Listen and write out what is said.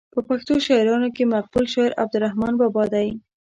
په پښتو شاعرانو کې مقبول شاعر عبدالرحمان بابا دی.